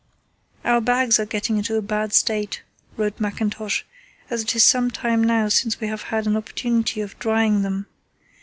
"Our bags are getting into a bad state," wrote Mackintosh, "as it is some time now since we have had an opportunity of drying them.